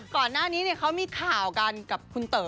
ก่อนหน้านี้เขามีข่าวกันกับคุณเต๋อ